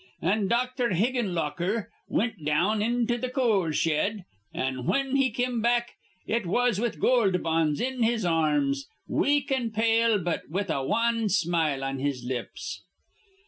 An' Doctor Higgenlocker wint down into th' coal shed; an' whin he come back, it was with Goold Bonds in his ar rms, weak an' pale, but with a wan smile on his lips.